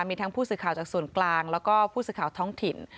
มีทั้งผู้สื่อข่าวจากส่วนกลางแล้วก็ผู้สื่อข่าวท้องถิ่น